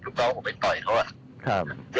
ถุงเกาะอ๋อไปต่อยเขาครับ